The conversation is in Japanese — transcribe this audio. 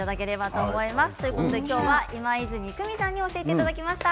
今日は今泉久美さんに教えていただきました。